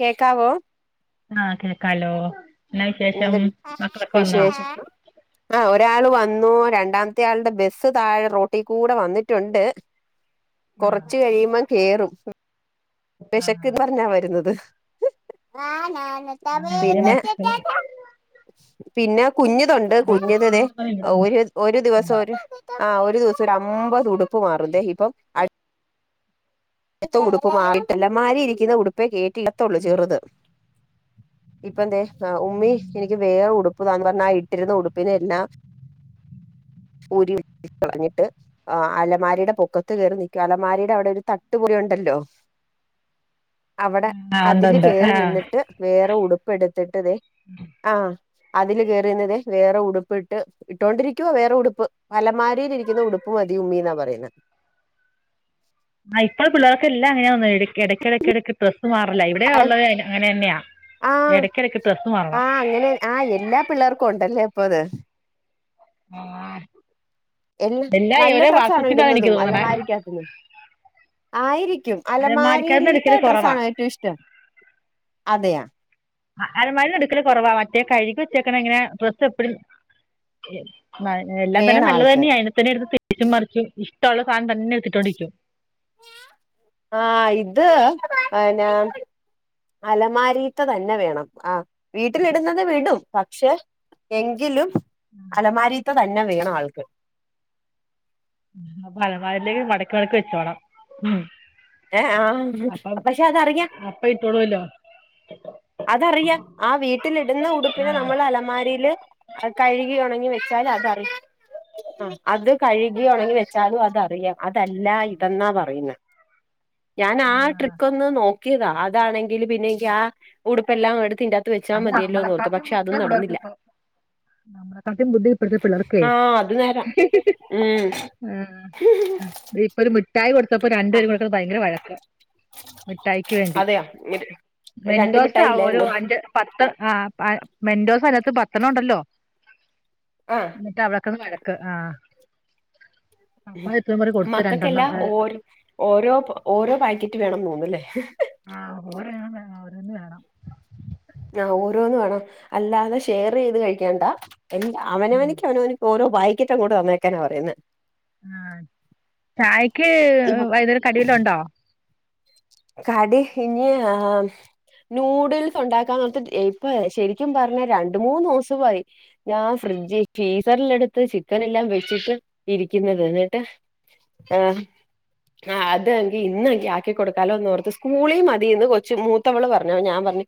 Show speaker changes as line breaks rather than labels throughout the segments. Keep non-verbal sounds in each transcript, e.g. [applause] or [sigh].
കേക്കാവോ.
ആഹ കേൾക്കാലോ എന്നാ വിശേഷം
എന്ത്
മക്കളൊക്കെ വന്നോ?
വിശേഷം ആ ഒരാൾ വന്നു രണ്ടാമത്തെ ആളുടെ ബസ്സ് താഴെ റോട്ടി കൂടെ വന്നിട്ടുണ്ട്.
[inaudible]
കൊറച്ച് കഴിയു മ്പോ കേറും
ആഹ്
വിശക്ക്ന്ന് പറഞ്ഞാ വരുന്നത്
ആഹ് ഇവിടെ
പിന്നെ
മക്കള്
പിന്നെ കുഞ്ഞതുണ്ട് കുഞ്ഞ് തെ
വിശക്കുന്നുന്ന് പറഞ്ഞ് ഇവിടെ വന്നു
ഒരു ഒരു ദിവസം ഒര് ആഹ ഒരു ദിവസം ഒരു അമ്പത് ഉടുപ്പ് മാറും ദേ ഹിബം ഇത്ത ഉടുപ്പ് മാറിട്ടില്ല മാരി ഇരിക്കുന്ന ഉടുപ്പേ കേറ്റി ഇടത്തുള്ളൂ ചെറുത്
[unintelligible]
ഇപ്പ ന്തേ ഉമ്മി എനിക്ക് വേറെ ഉടുപ്പ്താന്ന് പറഞ്ഞ ആ ഇട്ടിരുന്ന ഉടുപ്പിനെ എല്ലാം ഊരി ഉട്ടച്ച്ളഞ്ഞിട്ട് ആ അലമാരിടെ പൊക്കത്ത് കെറി നിക്കും അലമാരിടെ അവിടെ ഒരു തട്ടു പോലെ ഉണ്ടല്ലോ അവിടെ
ആഹ് ഉണ്ട്
അതില്
ഉണ്ട്
കേറി
ആഹ് ആഹ്
നിന്നിട്ട് വേറെ ഉടുപ്പ് എടുത്തിട്ട്തേ ആ അതില് കേറിനിന്ന് വേറെ ഉടുപ്പിട്ട് ഇട്ടൊണ്ടിരിക്കുവോ വേറെ ഉടുപ്പ് അലമാരയിലിരിക്കുന്ന ഉടുപ്പ് മതി ഉമ്മീ ന്നാ പറയുന്നെ
ആ ഇപ്പോൾ പിള്ളേർക്കെല്ലാം അങ്ങനെ വന്നെ എടക്കിടക്ക എടക്ക് ട്രസ്സ് മാറലാ ഇവിടെ
ആഹ്
ഉള്ളത് അങ്ങനെ തന്നെയാ എടയ്ക്കിടയ്ക്ക് ട്രസ്സ് മാറണം
ആഹ എല്ലാ പിള്ളേർക്കും ഉണ്ടല്ലേ അപ്പൊ ഇത്
ആ
എല്ല നല്ല ഡ്രസ്സാണ്
വാട്സപ്പിന്റെന്ന് എനിക്ക്
ഇടുന്നതും
തോന്നണേ
അലമാരിക്കത്തുന്ന് ആയിരിക്കും
അലമാരിക്കാരന്ന്
അലമാരിൽത്തെ
എടുക്കല്
ഡ്രസ്സ് ആ
കുറവാ
ഏറ്റവും ഇഷ്ടം അതെയാ
അലമാര എടുക്കല കുറവാ മറ്റേ കഴുകി വെച്ചേക്കണെങ്ങനെ ഡ്രസ്സ് എപ്പഴും ന എല്ലാം തന്നെ
വേണ
നല്ലത്
ആൾക്ക്
തന്നെയാ എടുത്ത് തിരിച്ചും മറിച്ചും ഇഷ്ടമുള്ള സാധനം തന്നെ എടുത്തിട്ട്ണ്ടിരിക്കും
ആ ഇത് അയന അലമാരീത്ത തന്നെ വേണം ആ വീട്ടിലിടുന്നത് വിടും പക്ഷെ എങ്കിലും അലമാരീത്ത തന്നെ വേണം ആൾക്ക്
അപ്പ അലമാരിലേക്ക് മടക്കി മടക്കി വെച്ചോളണം ഇം
എആ പക്ഷെ അതറിയാം
ഇപട്ടോള്ളോ ല്ലോ
അതറിയാം ആ വീട്ടിലിടുന്ന
ആ
ഉടുപ്പിനെ നമ്മള് അലമാരിയിൽ അത് കഴുകി ഉണങ്ങി വെച്ചാൽ അതറിയും ആ അത് കഴുകി ഒണങ്ങി വെച്ചാലും അതറിയാം അതല്ല ഇതെന്നാ പറയുന്നെ
[unintelligible]
ഞാൻ ആ ട്രിക്ക് ഒന്ന് നോക്കിയതാ അതാണെങ്കിൽ പിന്നെ ആ ഉടുപ്പ എല്ലാം എടുത്തിന്റെ
അയിന് നമ്മളെക്കാട്ടിലും ബുദ്ധിയ പിള്ളേർക്കിപ്പോ നമ്മളെ കാട്ടിം ബുദ്ധി ഇപേഴ്ത്തപിള്ളേർക്കെ
ആ അത് നേരാ ഉം
ആഹ ഇപ്പൊ ഒരു മിഠായി കൊടുത്തപ്പോ രണ്ട്
ആ
പേരും ഇവിടെ കിടന്ന്‌ ഭയങ്കര വഴക്ക് മിഠായിക്ക് വേണ്ടി
അതെയാ രണ്ട്
മെൻഡോസ്
മിഠായി
ഒരു
ഇല്ലായിരുന്നോ
അന്റെ പത്ത് ആഹ് മെൻഡോസ് അതിനകത്ത് പത്തെണ്ണം ഉണ്ടല്ലോ
ആഹ്
ട്ട അവിടെക്കടന്ന് വഴക്ക് ആഹ് കപ്പായത്ത പറഞ് കൊടുത്ത് രണ്ടെണ്ണം
മക്കൾക്കെല്ലാം ഓരോ ഓരോ ഓരോ പാക്കറ്റ് വേണം തോന്നുന്നല്ലേ
ആഹ് ഓരോന്ന് വേണം ഓരോന്ന് വേണം
ആഹ് ഓരോന്ന് വേണം അല്ലാതെ ഷെയർ ചെയ്ത് കഴിക്കണ്ടാ എന്ത
ഉം.
അവനവനിക്ക അവനവന ഓരോ പായിക്കറ്റ് അങ്ങോട്ട് തന്നേക്കാനാ പറയുന്നെ
ആഹ് ചായക്ക്
ഇപ്പ
വൈന്നേരം കടി വെല്ലോ ഉണ്ടോ
കടി ഇനി ആഹ് നൂഡിൽസ് ഉണ്ടാക്കാന്ന് ഓർത്ത് ശരിക്കും പറഞ്ഞ രണ്ട മൂന്നൂസായി ഞാൻ ഫ്രിഡ്ജിൽ ഫീസറില് എടുത്ത് ചിക്കൻ എല്ലാം വെച്ചിട്ട് ഇരിക്കുന്നത് എന്നിട്ട് ആഹ് അത് ഏങ്കി ഇന്നങ് ആക്കി കൊടു തലൊന്നോർത്ത് സ്കൂളി മതിന്ന് കൊച്ച് മൂത്തവള് പറഞ്ഞ് അഹ് ഞാൻ പറഞ്ഞ്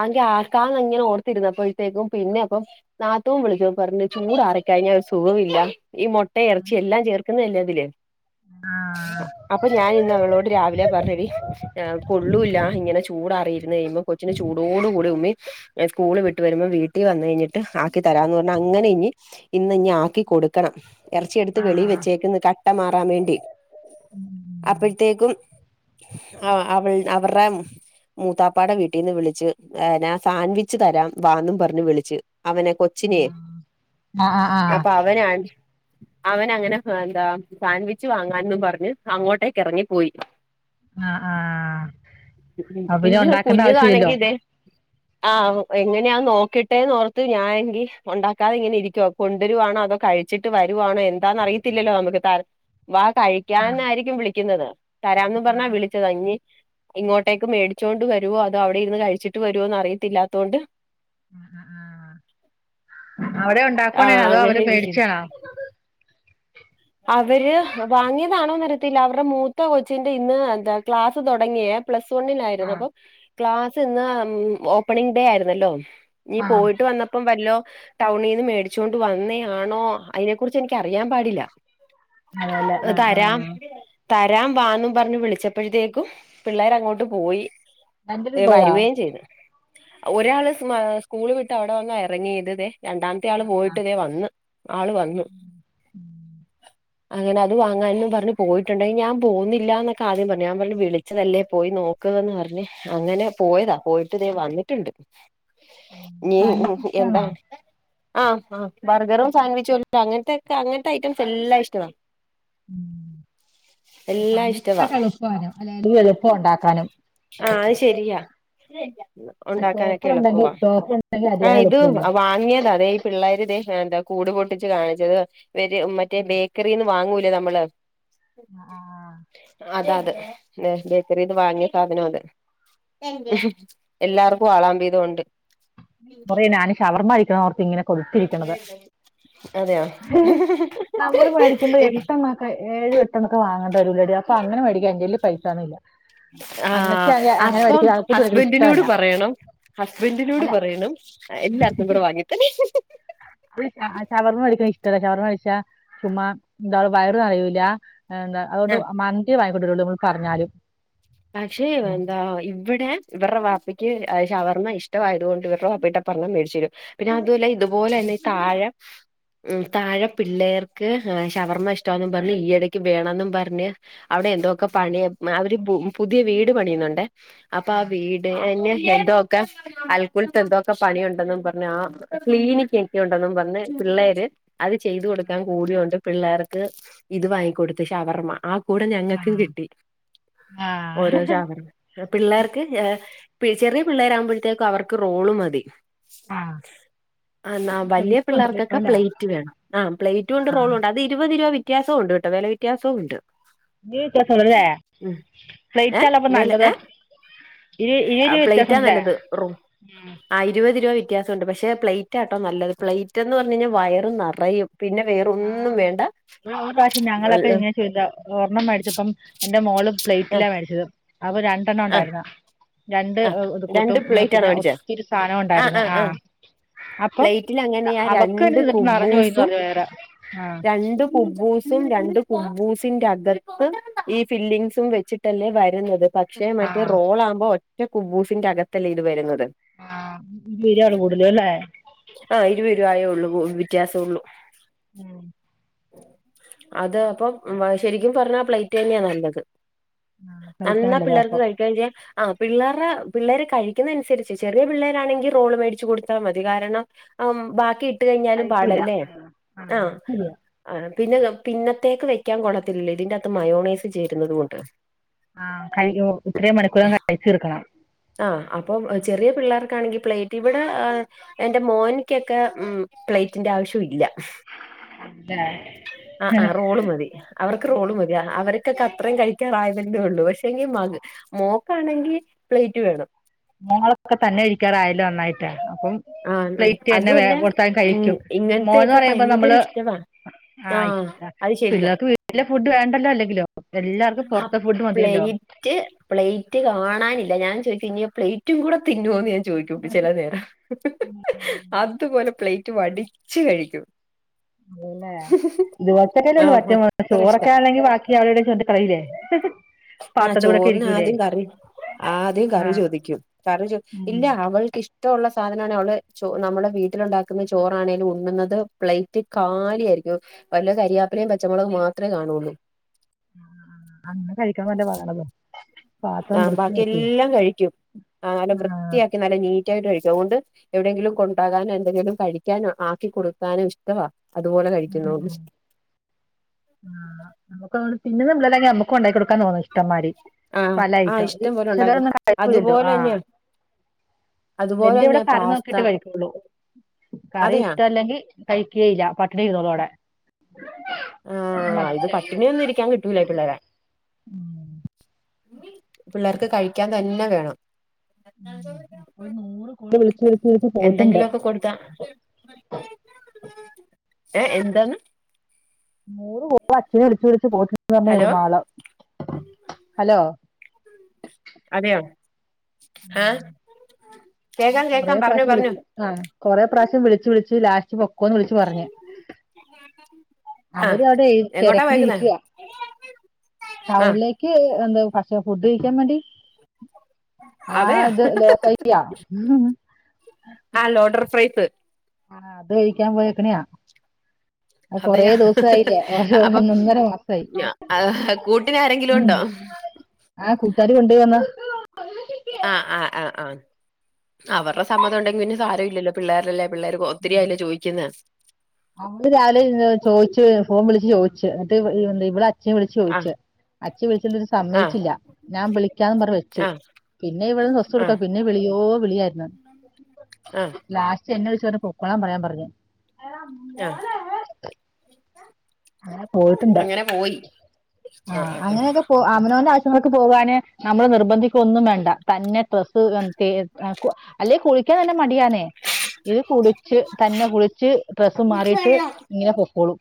അതെങ്കി ആക്കാന്നങ്ങനെ ഓർത്തിരുന്നപ്പഴ്ത്തേക്കും പിന്നെ അപ്പം നാത്തൂൻ വിളിച്ചപ്പം പറഞ്ഞ് ചൂടാറിക്കഴിഞ്ഞ ഒരു സുഖവില്ല ഈ മൊട്ടേ എറച്ചി എല്ലാം ചേർക്കുന്നല്ലേ ഇതില്
ആഹ്
അപ്പൊ ഞാൻ ഇന്ന് അവളോട് രാവിലെ പറഞ്ഞടി കൊള്ളൂല ഇങ്ങനെ ചൂടറിയിര്ന്ന് കഴിയുമ്പോം കൊച്ചിന് ചൂടോട് കൂടി ഉമ്മി. സ്കൂള് വിട്ടു വരുമ്പോ വീട്ടിൽ വന്ന് കഴിഞ്ഞിട്ട് ആക്കി തരാന്ന് പറഞ്ഞാ അങ്ങനെ ഇനി ഇന്ന് ഇനി ആക്കി കൊട് ക്കണം എറച്ചിയെടുത്ത്
ആഹ്
വെളി
ആഹ്
വെച്ചേക്ക്ന്ന് കട്ട മാറാൻ വേണ്ടി അപ്പഴത്തേക്കും. ആഹ് അവൾ അവറെ മൂത്താപ്പാട വീട്ടീന്ന് വിളിച്ച് ഞാ സാൻവിച്ച് തരാം വാന്നും പറഞ്ഞ് വിളിച്ച് അവനെ കൊച്ചിനേ
ആഹ്
അപ്പൊ
ആഹ്
അവനാ അവൻ അങ്ങനെ എന്താ സാൻവിച്ച് വാങ്ങാൻന്നും പറഞ്ഞ് അങ്ങോട്ടേക്ക് എറങ്ങി പോയി.
ആഹ് ആഹ് അപ്പോ പിന്ന ഉണ്ടാക്കേണ്ട ആവശ്യല്ലല്ലോ.
ആഹ് എങ്ങനെയാ നോക്കട്ടേന്ന് ഓർത്ത് ഞാനാണെങ്കി ഉണ്ടാക്കാതെ ഇങ്ങനെ ഇരിക്കുവ. കൊണ്ടുവരുവാണോ അതോ കഴിച്ചിട്ട് വരുവാണോ എന്താന്ന് അറിയത്തില്ലല്ലോ നമുക്ക് ത വ
ആഹ്
കഴിക്കാനായിരിക്കും വിളിക്കുന്നത് തരാം ന്നും പറഞ്ഞ്
ആഹ്
വിളിച്ചത് ഇനി ഇങ്ങോട്ടേക്ക് മേടിച്ചോണ്ട് വരുവോ അതോ അവിടെ ഇരുന്ന് കഴിച്ചിട്ട് വരുവോന്ന് അറിയത്തില്ലാത്തൊണ്ട്.
ആഹ് ആഹ് ആഹ് അവിടെ ഉണ്ടാക്കണേണോ
ആഹ്
അതോ
അങ്ങനെ
അവര്
ഇരിക്കുന്ന്
മേടിച്ചാണോ
അവര് വാങ്ങിയതാണോന്ന് അറിയത്തില്ല അവർടെ മൂത്ത കൊച്ചിന്റെ ഇന്ന് എന്താ ക്ലാസ് തൊടങ്ങിയെ പ്ലസ് വണ്ണിലായിരുന്നു
ആഹ്
അപ്പം ക്ലാസ് ഇന്ന് ഓപ്പണിംഗ് ഡേ ആയിരുന്നല്ലോ. ഇനി
ആഹ്
പോയിട്ട് വന്ന പ്പം വല്ലോ ടൗണിന്ന് മേടിച്ചൊണ്ട് വന്നെ ആണോ അയിനെ കുറിച്ച് എനിക്ക് അറിയാൻ പാടില്ല
അതേല്ലേ ആഹ്
തരാം
ആഹ്
തരാം വാന്നും പറഞ്ഞ് വിളിച്ചപ്പഴത്തേക്കും പിള്ളേരങ്ങോട്ട് പോയി.
രണ്ടരും പോയാ
വരുവേം ചെയ്തു ഒരാള് സ്മാ സ്കൂള് വിട്ട് അവിടെ വന്ന എറങ്ങിയത് രണ്ടാമത്തെ ആള് പോയിട്ടതേ വന്ന് ആള് വന്ന്. അങ്ങനെ അത് വാങ്ങാൻന്ന് പറഞ്ഞ് പോയിട്ടുണ്ട്, അയ്ന് ഞാൻ പോകുന്നില്ലന്നൊക്കാദ്യം പറഞ്ഞു ഞാൻ പറഞ്ഞ് വിളിച്ചതല്ലേ പോയി നോക്ക് ക്കാന്ന് പറഞ് അങ്ങനെ പോയതാ പോയിട്ട് ദേ വന്നി ട്ട്ണ്ട് ഇനി
സാൻവിച്ച് ഇഷ്ടാണോ
എന്താണ്? ആഹ് ആഹ് ബർഗറും സാൻവിച്ചും അങ്ങനത്തെക്കെ അങ്ങനത്തെ ഐറ്റം എല്ലാം ഇഷ്ടവാ
ഉം
എല്ലാം
സാൻവിച്ച്
ഇഷ്ടവാ
ഉണ്ടാക്കാ എളുപ്പാണ് എളുപ്പ ഉണ്ടാക്കാനും.
ആഹ് അത് ശെരിയാ.
ആ
ഉണ്ടാക്കാനൊക്കെ
ചോപ്പറുണ്ടെങ്കി
എളുപ്പവാ
ചോപ്പറുണ്ടെങ്കി അരിയാൻ
ആഹ് ഇത്
എളുപ്പല്ലേ
വാങ്ങിയത ദേ പിള്ളേര് ദേ എന്താ കൂട് പൊട്ടിച്ച് കാണിച്ചത് ഇവര് മറ്റേ ബേക്കറിന്ന് വാങ്ങൂലേ നമ്മള്
ആഹ് ആഹ്
അത് അത് ബേക്കറിന്ന് വാങ്ങിയ സാധനം അത് എല്ലാർക്കും ആളാം വീതോം ഉണ്ട്.
കുറേ ആയി ഞാന് ശവർമ കഴിക്കണോന്ന് ഓർത്തിങ്ങനെ. കൊടുത്തിരിക്കണത്
അതെയോ
നമ്മൾ മരിക്കുമ്പഴേ എട്ട ഏഴും ഏട്ടണ്ണൊക്കെ വാങ്ങണ്ടി വരുല്ലടി അപ്പൊ അങ്ങന മേടിക്കാൻ എന്റല് പൈസ ഒന്നുല്ല.
ആഹ് അപ്പം
ആൾക്കൂട്ട് മേടിക്കുന്നത്
ഹസ്ബൻഡിനോട്
ഇഷ്ടമല്ല
പറയണം ഹസ്ബൻഡിനോട്
അല്ല
പറയണം. എല്ലാർക്കും കൂടി വാങ്ങി [unintelligible]
ഷവർമ കഴിക്കണ ഇഷ്ടല്ല ഷവർമ കഴിച്ചാ ചുമ്മാ എന്താ വയറും നെറയൂല. എന്താ അതുകൊണ്ട്
ആഹ്
മന്തി വാങ്ങിക്കൊണ്ടരുള്ളൂ ഇവള് പറഞ്ഞാലും.
പക്ഷെ എന്താ ഇവിടെ ഇവരുടെ വാപ്പക്ക് അഹ് ശവർമ്മ ഇഷ്ടായതുകൊണ്ട് ഇവരുടെ വാപ്പ പറഞ്ഞ മേടിച്ച തരും പിന്നെ അതുവല്ല ഇതുപോലെ തന്നെ ഈ താഴെ
[inaudible]
ഉം താഴെ പിള്ളേർക്ക് ഏഹ് ശവർമ്മ ഇഷ്ടവാന്നും പറഞ്ഞ് ഈയിടക്ക് വേണെന്നും പറഞ്ഞ്. അവിടെ എന്തോക്കെ പണിയ അവര് പുതിയ വീട് പണിയുന്നുണ്ടേ. അപ്പൊ ആഹ് വീട് [unintelligible] എന്തോ. ഒക്കെ അൽക്കൂൽത്തെ എന്തോക്കെ പണിയുണ്ടെന്നും പറഞ്ഞ് ആഹ് ക്ലീനിങ്ങോക്കെണ്ടെന്നും പറഞ്ഞ് പിള്ളേര്. അത് ചെയ്തു കൊടുക്കാൻ കൂടിയോണ്ട് പിള്ളാർക്ക് ഇത് വാങ്ങിക്കൊടുത്ത് ഷവർമ്മ ആഹ് കൂടെ ഞങ്ങക്കും കിട്ടി ഓരോ ഷവർമ്മ പിള്ളാർക്ക് ചെറിയ പിള്ളേര് ആകുമ്പോഴത്തേക്കും അവർക്ക് റോള് മതി
ആഹ്
ആന്നാ വലിയ
ഇപ്പൊ
പിള്ളാർക്കൊക്കെ
അല്ലേ
പ്ലേറ്റ് വേണം ആഹ് പ്ലേറ്റ് ഒണ്ട് റോള് ഒണ്ട് അത് ഇരുവത് രൂപ വെ ത്യാസവും ഉണ്ട് കേട്ട വെല വ്യത്യാസോം ഉണ്ട്
[unintelligible] വെത്യാസംണ്ട്ല്ലേ
ഉം ഏ
പ്ലേറ്റല്ലോ അപ്പ
വില
നല്ലത്
ഏ
ഇരു ഇരുരൂപ വ്യത്യാസണ്ടല്ലേ ഉം
ആഹ് ഇരുപത് രൂപ വ്യത്യാസ ഒണ്ട് പക്ഷെ പ്ലേറ്റ് ആട്ടോ നല്ലത് പ്ലേ പ്ലേറ്റെന്ന് പറഞ്ഞു കഴിഞ്ഞ വയർ നെറയും പിന്നെ വേറൊന്നും
ആഹ്
വേണ്ട അ
ഇതാ ഒരണ്ണം മേടിച്ചപ്പം എന്റെ മോള്
ആ
പ്ലേറ്റില്ല മേടിച്ചത് അപ്പൊ രണ്ടെണ്ണം
ആ
ഒണ്ടാരുന്ന് രണ്ട്
ആ
ഇത് കൂട്ടോ
രണ്ട് പ്ലേറ്റ് ആണോ
പിന്നെ
മേടിച്ചേ
ഒത്തിരി സാന്നോം
ആ
ഉണ്ടാരുന്ന്
ആ ആ
ആഹ് അപ്പം
പ്ലേറ്റിൽ അങ്ങനെയ
അവക്ക് തന്നെ
രണ്ട്
തിന്നിട്ട് നിറഞ്ഞു പോയിന്ന്
കുബ്ബൂസും
പറഞ്ഞു വേറെ ആഹ്
രണ്ട് കുബ്ബൂ രണ്ട് കുബൂസിന്റെകത്ത് ഈ ഫില്ലിങ്‌സും വെച്ചിട്ടല്ലെ വരുന്നത് പക്ഷെ മറ്റേ
ആഹ്
റോൾ ആവുമ്പോ ഒറ്റ കുബൂസിന്റെ അകത്തല്ലേ ഇത് വരുന്നത്
ആഹ് വീലയാണ് കൂടലല്ലേ
ആഹ് ഇരുവരുവായെ ഉള്ളൂ വ്യത്യാസ ഉള്ളൂ
ഉം
അത് അപ്പം ശരിക്കും പറഞ്ഞാ പ്ലേറ്റന്നെയാ നല്ലത്
ആഹ് കഴിക്കാൻ
അന്ന
നല്ലതാ
പിള്ളർക്ക്
അപ്പം
കഴിക്ക ചെയ ആഹ് പിള്ളാർട പിള്ളേര് കഴിക്കുന്ന അനുസരിചേ ചെറിയ പിള്ളേരാണെങ്കി റോള് മേടിച്ച് കൊടുത്താ മതി കാരണം ഉം ബാക്കി ഇട്ട കഴിഞ്ഞാലും
കഴിക്കൂല
പാടല്ലേ ആഹ് ആഹ് പിന്ന പിന്നത്തേക്ക് വെക്കാൻ കൊള്ളത്തില്ലല്ലോ ഇതിന്റത്ത് മയോണൈസ് ചേരുന്നത് കൊണ്ട്
ആഹ് കൈ ഇത്രയും മണിക്കൂറിനകം കഴിചീർക്കണം
ആഹ് അപ്പം ചെറിയ പിള്ളേർക്കാണെങ്കി പ്ലേറ്റ് ഇവട ആഹ് എന്റെ മോനിക്കൊക്കെ ഉം പ്ലേറ്റിന്റെ ആവശ്യം ഇല്ല
അതെ
ആഹ് ആഹ് റോള് മതി അവർക്ക് റോള് മതി ആഹ് അവർ കൊക്കെ അത്രയും കഴിക്കാറായതല്ലേ ഉള്ളൂ പക്ഷെങ്കി മക മോക്കാണെങ്കി പ്ലേറ്റ് വേണം
മോളൊക്കെ തന്നെ കഴിക്കാറായാലോ നന്നായിട്ട് അപ്പം
ആഹ്
പ്ലേറ്റ് തന്നെ വേ
അതുമല്ല
കൊടുത്താലും
ഇ
കഴിക്കും മോന്ന്
ഇങ്ങനത്തെയൊക്കെ
പറയുമ്പോ
ഭയങ്കര
നമ്മള്
ഇഷ്ടവാ
ആഹ് ഇഷട്ടാ
അത് ശരിയാ
പിള്ളേർക്ക് വീട്ടിലെ ഫുഡ് വേണ്ടല്ലോ അല്ലെങ്കിലും എല്ലാർക്കും
ആഹ്
പൊറത്തെ ഫുഡ് മതിയല്ലോ
[unintelligible] പ്ലേറ്റ് കാണാനില്ല ഞാൻ ചോദിച്ച് ഇനി പ്ലേറ്റും കൂടെ തിന്നോന്ന് ഞ ചോയിക്കും ചെല നേരം അതുപോലെ പ്ലേറ്റ് വടിച്ച് കഴിക്കും
അതല്ലേ ഇതുപോലത്തെ ഉള്ളൂ പറ്റ
ആഹ് അത്ര ഇഷ്ട
ചോറൊക്കെ ആണെങ്കി ബാക്കി അവിടേം ഇവിടേം കൊണ്ട് കളയില്ലേ
ആഹ്
പാത്രത്തിൽ കൂടെ ഒക്കെ
ചോറിന്
ഇരിക്കൂലേ
ആദ്യം കറി ആദ്യം
ആ
കറി ചോദിക്കും കറി ചോ ഇല്ല
ഉം
അവൾക്ക് ഇഷ് റ്റള്ള സാധനവാണേ അവള് ചോ നമ്മട വീട്ടിലുണ്ടാക്കുന്ന ചോറാണേലും ഉണ്ണുന്നത് പ്ലേറ്റ് കാലി ആയിരിക്കും വെല്ല കരിയാപ്പലയും പച്ചമൊളകും മാത്രേ കാണുള്ളൂ
ആഹ് അങ്ങനെ കഴിക്കാൻ വല്ല പറണല്ലോ
ആഹ് ബാക്കി എല്ലാം കഴിക്കും ആഹ് നല്ല
ആ
വൃത്തിയാക്കി നല്ല നീറ്റായിട്ട് കഴിക്കും അതുകൊണ്ട് എവിടെയെങ്കിലും കൊണ്ടാകാനോ എന്തെങ്കിലും കഴിക്കാനോ ആക്കി കൊടുക്കാനും ഇഷ്ടവാ അതുപോലെ കഴിക്കുന്നൊണ്ട്
ആഹ് നമുക്ക് അതൊലെ തിന്നുന്ന പിള്ളേരാണെകി നമുക്കും ഒണ്ടാക്കി കൊടുക്കാൻ തോന്നും മുട്ടന്മാരി
ആഹ്
പല
ആഹ്
ഐട്ടം
ഇഷ്ടം പോലെ ഉണ്ടാക്കും
ചിലരൊന്നും കഴിക്കൂല്ലല്ലോ
അതുപോലെ
ആഹ്
തന്നെയാ അതുപോലെ
എന്റെ ഇവിടെ
തന്നെയാ
കറി
പാസ്ത
നോക്കിട്ട് കഴിക്കുള്ളൂ കറി
അതെയാ
ഇഷ്ടല്ലെങ്കി കഴിക്കേ ഇല്ല പട്ടിണി ഇുന്നോളും അവടെ
ആഹ് ഇത് പട്ടിണി ഒന്നും ഇരിക്കാൻ കി ട്ടൂല ഈ പിള്ളേരെ പിള്ളാർക്ക് കഴിക്കാൻ തന്നെ വേണം
[inaudible] ഉം ഇപ്പൊ നൂറ് കോടി വിളിച്ചു വിളിച്ച എക്ക പോയിട്ടുണ്ട്
ഏഹ് എന്താണ്
നൂറ് പൂവ അച്ഛന വിളിച്ചു വിളിച്ചച്ച് പോയിട്ടുന്ന്
ഹലോ
പറഞ്ഞ മാള ഹലോ
അതെയോ ആ കേക്കാം
കുറെ
കേക്കാം പറഞ്ഞു
പ്രാവിശ്യം
പറഞ്ഞു
വിളിച് ആഹ് കൊറെ പ്രാവശ്യം വിളിച് വിളിച്ച് ലാസ്റ്റ് പൊക്കോന്ന് വിളിച്ചു പറഞ്ഞ്
[inaudible]
അവര് അവിടെ
എങ്ങോട്ടാ പോയേക്കുന്നെ
തിരക്കിലിരിക്കുക
ആ
ടൗണിലേക്ക് എന്താ ഫഷ ഫുഡ് കഴിക്കാൻ വേണ്ടി ആ
അതെയോ
അത് [unintelligible]
ആ ലോഡർ ഫ്രൈസ്
ആഹ് അത് കഴിക്കാൻ പോയക്കണെയാ ആ കൊറേ
അതെയോ
ദിവസയില്ലേ ഓരോ
അപ്പം
ഒന്ന ഒന്നര മാസമായി
കൂട്ടിന് ആരെങ്കിലും
ഉ
ഉണ്ടോ
ആഹ് കൂട്ടാരി കൊണ്ടപോയി വന്നാ
ആഹ് ആഹ് ആഹ് ആഹ് അവരുടെ സമ്മതം ഉണ്ടെങ്കിൽ പിന്നെ സാരം ഇല്ലല്ലോ പിള്ളേരെല്ലാം പിള്ളേർക്ക് ഒത്തിരിയല്ലോ ചോദിക്കുന്ന
അവള് രാവിലെ ചോദിച്ചു ഫോം വിളിച്ച് ചോദിച്ചു എന്നട്ട് ഇവിടെ അച് വിളിച്ചു
ആ
ചോദിച്ചു അച് വിളിച്ച ഒരു
ആ
സമ്മയിച്ചില്ല ഞാൻ വിളിക്കാന്ന് പറഞ് വെച്ചു
ആ
പിന്നെ ഇവിടെ നിന്ന് സ്വസ് കൊടുക്കാ പിന്നെ വിളിയോ വിളിയായിരുന്നു
ആഹ്
ലാസ്റ്റ് എന്നെ വിളിച് പറഞ് പൊക്കളൻ പറയാൻ പറഞ്ഞു
ആഹ്
അങ്ങനെ പോയിട്ടുണ്ട്
അങ്ങനെ പോയി ആഹ് ആഹ് ആഹ്
അമനവന്റെ ആവശ്യങ്ങൾക്ക് പോകാന് നമ്മെ നിർബന്ധിക്ക ഒന്നും വേണ്ട തന്നെ ട്രസ്സ് [unintelligible] അല്ലേ കുളിക്കാൻ തന്നെ മടിയാനെ ഇത് കുളച്ച് തന്നെ കുളിച്ച് ഡ്രെസ്സ് മാറിട്ട് ഇങ്ങനെ പൊക്കോളൂ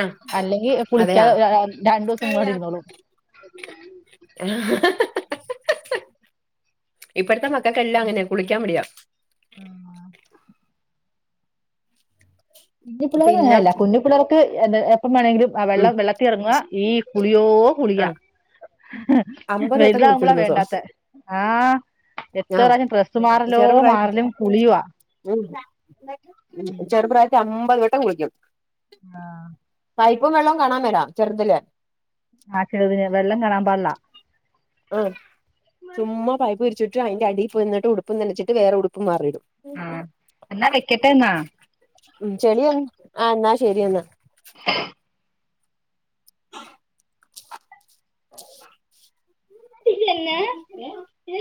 ആ
അല്ലെങ്കി
അതെയാ
കുളിക്കാതെ രണ്ടു ദിവസംങ്ങണ്ടിരുന്നോളൂ
ഇപ്പടത്തെ മ ഒക്കെല്ലാംങ്ങനെ കുളിക്കാൻടിയാം
ആഹ് കുഞ്ഞി പിള്ളേർ
പിന്നെ
അങ്ങനെയല്ല കുഞ്ഞു പിള്ളർക്ക് എന്ത എപ്പം വേണെങ്കിലും ആ
ഉം
വെള്ളം വെള്ളത്തി ഇറങ്ങ ഈ കുളിയോ
ആ
കുളിയാ
അമ്പത് വട്ടം കുളിച്ചു
വലുതാമ്പളാ
ഒരു ദിവസം
വേണ്ടാത്ത ആഹ് എത്ര
ആഹ്
പ്രാവശ്യം പ്രസ്സ് മാറലോ
ചെറുപ്രായത്തി
മാറലും കുളിയവാ
ഉം ചെറുപ്രായത്തി അമ്പത് വട്ടം കുളിക്കും
ആഹ്
പൈപ്പും വെള്ളും കാണാൻ മേല ചെറുതില്
ആഹ് ചെറ്യേ വെള്ളം കണാൻ പാടില
ആഹ് ചുമ്മാ പൈപ്പ് പിരിച്ചിട്ടും അയിന്റെ അടിയിൽ പോന്നിട്ട് ഉടുപ്പ് നനച്ചിട്ട് വേറെ ഉടുപ്പ് മാറിടും
ആഹ് എന്നാ വെക്കട്ടെന്നാ
ഉം ചെളിയന്നി ആഹ് ന്നാ ശരിയാന്നാ [inaudible]
ല്ലന്നെ
[unintelligible]